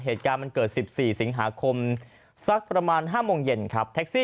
เหตุการณ์มันเกิด๑๔สิงหาคมสักประมาณ๕โมงเย็นครับแท็กซี่